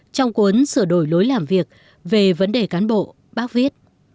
trong cuốn sửa đổi lối làm việc về vấn đề cán bộ bác viết